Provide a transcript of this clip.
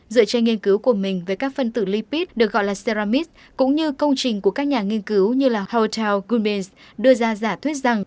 dựa trên nghiên cứu của mình với các phân tử lipid được gọi là seramis cũng như công trình của các nhà nghiên cứu như là houthio gunbens đưa ra giả thuyết rằng